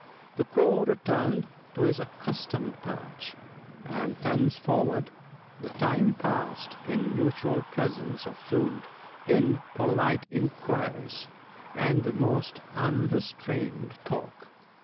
The Crow returned to his accustomed perch :— and thenceforward the time passed in mutual presents of food, in polite inquiries, and the most unrestrained talk.